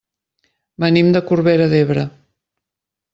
Venim de Corbera d'Ebre.